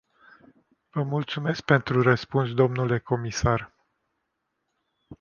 Vă mulțumesc pentru răspuns, domnule comisar.